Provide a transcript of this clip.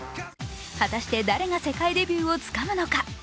果たして誰が世界デビューをつかむのか。